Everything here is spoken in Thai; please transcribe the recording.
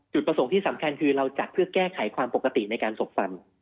ประสงค์ที่สำคัญคือเราจัดเพื่อแก้ไขความปกติในการสบฟัน